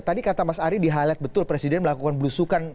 tadi kata mas ari dihalat betul presiden melakukan berusukan